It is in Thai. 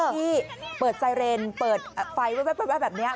ที่เปิดไซเรนเปิดไฟแว๊บแบบนี้